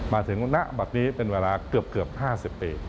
มาถึงณปะนี้เป็นเวลาเกือบ๕๐ปี